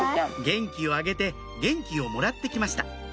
元気をあげて元気をもらってきました